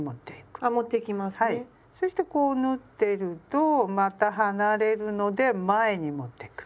そしてこう縫ってるとまた離れるので前に持ってくる。